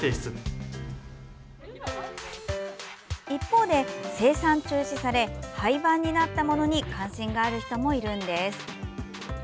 一方で、生産中止され廃番になったものに関心がある人もいるんです。